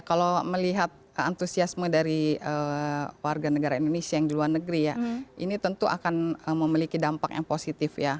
kalau melihat antusiasme dari warga negara indonesia yang di luar negeri ya ini tentu akan memiliki dampak yang positif ya